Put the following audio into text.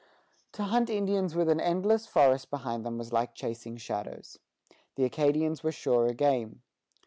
To hunt Indians with an endless forest behind them was like chasing shadows. The Acadians were surer game.